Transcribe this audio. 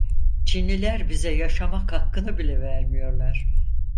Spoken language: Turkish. Çinliler bize yaşamak hakkını bile vermiyorlar.